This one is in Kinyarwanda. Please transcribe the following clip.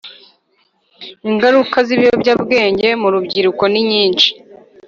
ingaruka z’ibiyobyabwenge mu rubyiruko ni nyinshi.